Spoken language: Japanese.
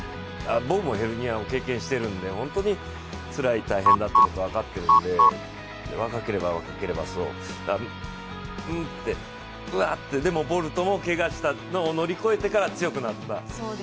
僕もヘルニアを経験しているので、本当につらい、大変だって僕、分かっているので若ければ若いほどそううんって、うわっ、ってでもボルトも、けがしたのを乗り越えてから強くなった。